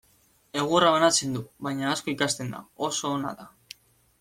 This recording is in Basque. Egurra banatzen du, baina asko ikasten da, oso ona da.